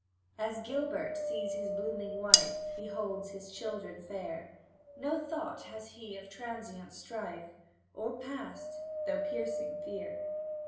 As Gilbert sees his blooming wife, Beholds his children fair, No thought has he of transient strife, Or past, though piercing fear.